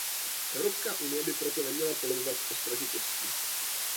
Evropská unie by proto neměla polevovat v ostražitosti.